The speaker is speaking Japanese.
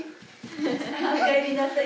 おかえりなさい。